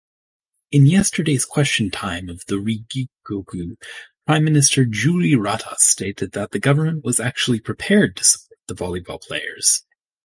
In yesterday’s Question Time of the Riigikogu, prime minister Jüri Ratas stated that the government was actually prepared to support the volleyball players.